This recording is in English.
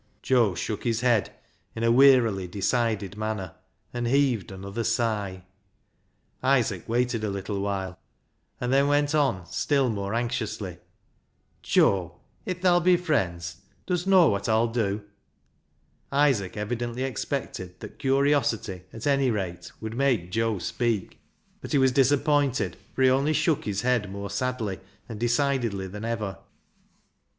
Joe shook his head in a wearily decided manner, and heaved another sigh. Isaac waited a little while, and then went on, still more anxiously —" Joe, if tha'll be friends, dust know wot Aw'll dew ?" Isaac evidently expected that curiosity, at any rate, would make Joe speak, but he was disappointed, for he only shook his head more sadly and decidedly than ever.